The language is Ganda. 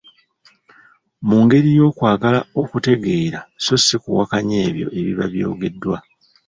Mu ngeri y’okwagala okutegeera so si kuwakanya ebyo ebiba byogeddwa.